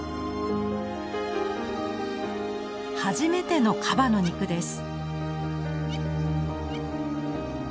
初めてのカバの肉です。